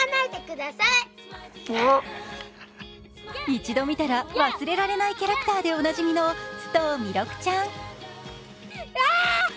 一度見たら忘れられないキャラクターでおなじみの、須藤弥勒ちゃん。